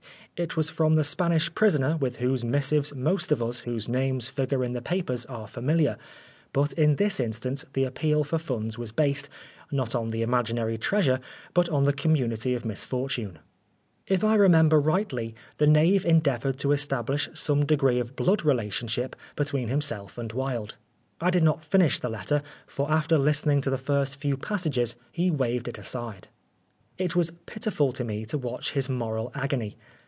It was from the Spanish prisoner with whose missives most of us whose names figure in the papers are familiar, but in this instance the appeal for funds was based, not on the imaginary treasure, but on the community of misfortune. If I remember rightly, the 169 Oscar Wilde knave endeavoured to establish some degree of blood relationship between himself and Wilde. I did not finish the letter, for after listening to the first few passages he waved it aside. It was pitiful to me to watch his moral agony.